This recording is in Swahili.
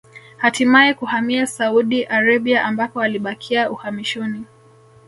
Hatimae kuhamia Saudi Arabia ambako alibakia uhamishoni